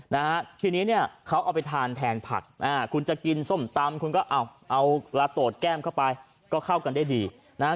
นะฮะทีนี้เนี่ยเขาเอาไปทานแทนผักอ่าคุณจะกินส้มตำคุณก็เอาเอาละโตดแก้มเข้าไปก็เข้ากันได้ดีนะฮะ